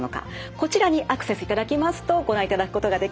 こちらにアクセスいただきますとご覧いただくことができます。